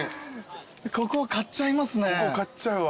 ここ買っちゃいますね。